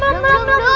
belum belum belum